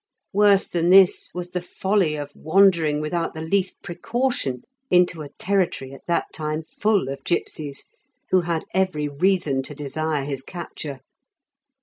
Worse than this was the folly of wandering without the least precaution into a territory at that time full of gipsies, who had every reason to desire his capture.